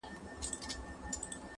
ډېر دردناک مفهوم لري-